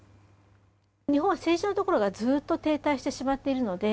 日本は政治のところがずっと停滞してしまっているので